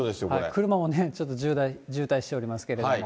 車もね、ちょっと渋滞しておりますけれども。